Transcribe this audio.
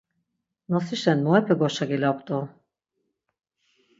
Nosişen muepe goşagilapt̆u?